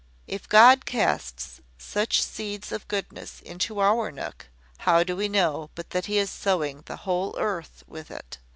If God casts such seeds of goodness into our nook, how do we know but that he is sowing the whole earth with it?